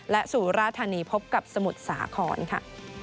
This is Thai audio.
และสุราธานีพบกับสมุทรสาครค่ะ